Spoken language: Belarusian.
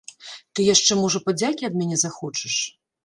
Ты яшчэ, можа, падзякі ад мяне захочаш?